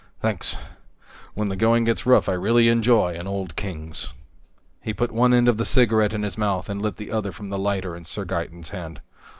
"Thanks. When the going gets rough, I really enjoy an Old Kings." He put one end of the cigarette in his mouth and lit the other from the lighter in Sir Gaeton's hand.